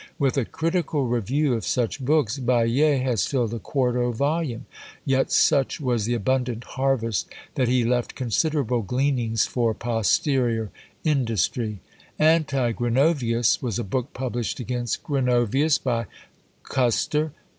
With a critical review of such books Baillet has filled a quarto volume; yet such was the abundant harvest, that he left considerable gleanings for posterior industry. Anti Gronovius was a book published against Gronovius, by Kuster.